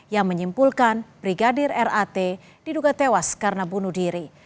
yang menyimpulkan brigadir rat diduga tewas karena bunuh diri